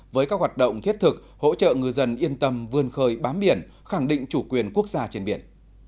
với các hoạt động thiết thực hỗ trợ ngư dân yên tâm vươn khơi bám biển khẳng định chủ quyền quốc gia trên biển